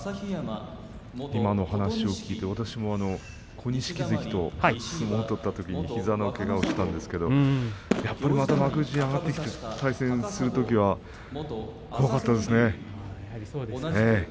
今の話を聞いて、私も小錦関と相撲を取ったときに膝のけがをしたんですけどやっぱりまた幕内に上がってきて対戦するときは怖かったですね。